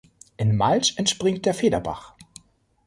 In Malsch entspringt der Federbach.